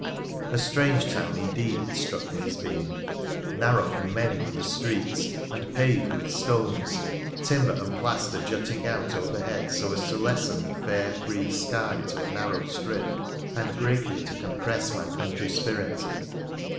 A strange town indeed it struck me as being. Narrow and many were the streets, and paved with stones ; timber and plaster jutting out overhead so as to lessen the fair, free sky to a narrow strip, and greatly to compress my country spirit.